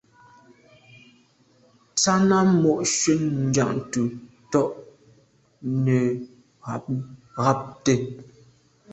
Tshana mo’ nshun Njantùn to’ netshabt’é.